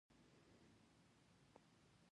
ناسمه لاره بده ده.